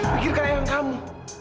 pikirkan tentang ayang kamu